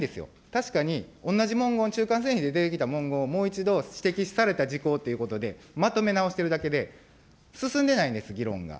確かに同じ文言、で出てきた文言を、もう一度指摘された事項ということでまとめ直しているだけで、進んでないんです、議論が。